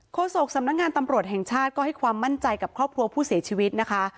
โศกสำนักงานตำรวจแห่งชาติก็ให้ความมั่นใจกับครอบครัวผู้เสียชีวิตนะคะ